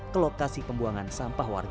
ke lokasi pembuangan sampah warga